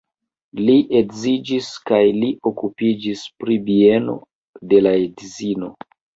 Li edziĝis kaj li okupiĝis pri bieno de la edzino.